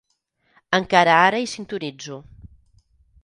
Encara ara hi sintonitzo.